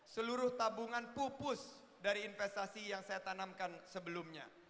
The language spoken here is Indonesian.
seluruh tabungan pupus dari investasi yang saya tanamkan sebelumnya